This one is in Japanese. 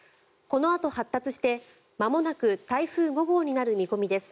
このあと発達して、まもなく台風５号になる見込みです。